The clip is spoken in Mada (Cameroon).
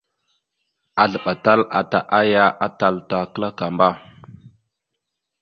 Azləɓatal ata aya atal ata klakamba.